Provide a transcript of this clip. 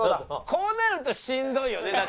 こうなるとしんどいよね。